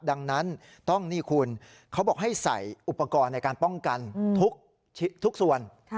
ดังนั้นต้องนี่คุณเขาบอกให้ใส่อุปกรณ์ในการป้องกันทุกส่วน